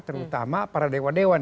terutama para dewa dewan